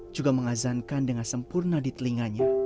juga mengazankan dengan sempurna di telinganya